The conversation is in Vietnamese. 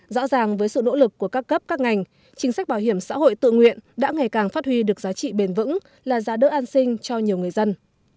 rõ ràng với sự nỗ lực của các cấp các ngành chính sách bảo hiểm xã hội tự nguyện đã ngày càng phát huy được giá trị bền vững là giá đỡ an sinh cho nhiều người dân